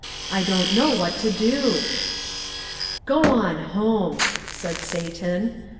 I don't know what to do." "Go on home," said Satan.